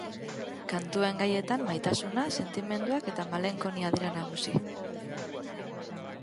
Kantuen gaietan maitasuna, sentimenduak eta malenkonia dira nagusi.